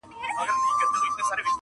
چي د بخت ستوری مو کله و ځلېږې,